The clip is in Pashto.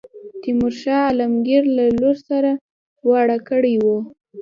تیمور شاه عالمګیر له لور سره واړه کړی وو.